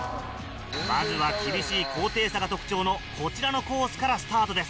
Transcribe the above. まずは厳しい高低差が特徴のこちらのコースからスタートです。